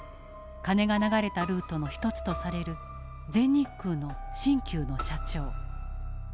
金が流れたルートの一つとされる全日空の新旧の社長。